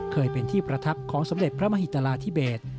เคยเป็นที่ประทับของสมเด็จพระมหิตราธิเบศ